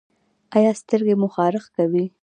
ایا سترګې مو خارښ کوي؟